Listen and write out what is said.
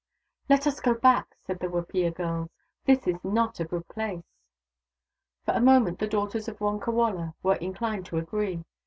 Let us go back !" said the Wapiya girls. " This is not a good place." For a moment the daughters of Wonkawala were inclined to agree.